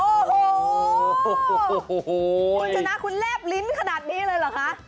มันจะน่าคุณเล่บลิ้นขนาดนี้เลยเหรอคะ